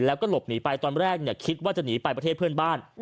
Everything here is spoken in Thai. แล้วก็หลบหนีไปตอนแรกคิดว่าจะหนีไปประเทศเพื่อนบ้าน